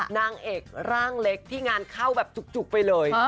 นางเอกร่างเล็กที่งานเข้าแบบจุกไปเลย